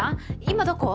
今どこ？